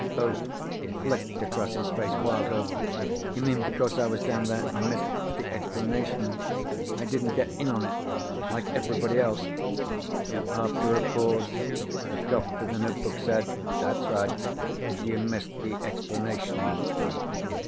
Hope flicked across his face, wild hope. "You mean because I was down there I missed the explanation? I didn't get in on it? Like everybody else?" After a pause the cop with the notebook said: "That's right. You missed the explanation."